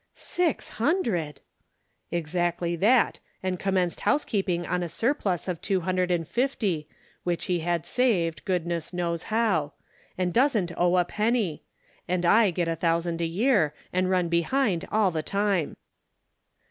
" Six hundred !"" Exactly that, and commenced house keeping on a surplus of two hundred and fifty, which he had saved, goodness knows how ; and doesn't owe a penny ; and I get a thousand a year and run behind all the time."